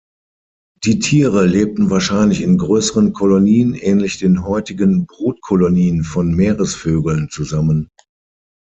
Die Tiere lebten wahrscheinlich in größeren Kolonien ähnlich den heutigen Brutkolonien von Meeresvögeln zusammen.